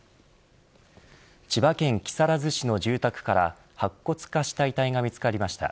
千葉県木更津市の住宅から白骨化した遺体が見つかりました。